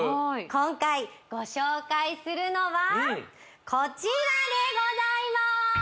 今回ご紹介するのはこちらでございまーす！